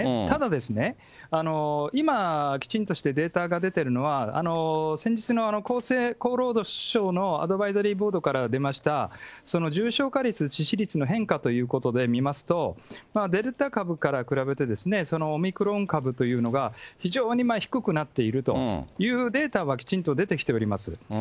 ただ、今、きちんとしてデータが出ているのは、先日の厚生労働省のアドバイザリーボードから出ました、重症化率、致死率の変化ということで見ますと、デルタ株から比べて、オミクロン株というのが、非常に低くなっているというデータは、きちんと出てきております。